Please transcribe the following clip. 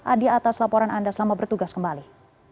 adi atas laporan anda selamat bertugas kembali